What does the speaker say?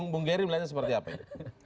bung gerry melihatnya seperti apa ini